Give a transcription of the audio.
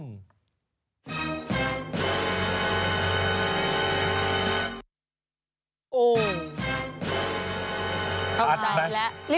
เข้าใจแล้ว